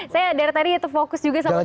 saya dari tadi itu fokus juga sama